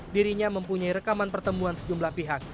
dirinya mempunyai rekaman pertemuan sejumlah pihak